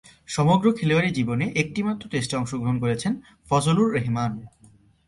সমগ্র খেলোয়াড়ী জীবনে একটিমাত্র টেস্টে অংশগ্রহণ করেছেন ফজল-উর-রেহমান।